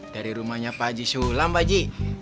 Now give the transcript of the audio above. dari rumahnya pak haji sulam pak haji